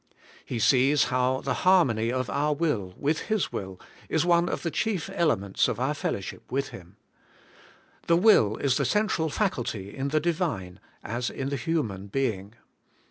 He sees how the 180 ABIDE IN CHRIST: harmony of our will with His will is one of the chief elements of our fellowship with Him. The will is the central faculty in the Divine as in the human being.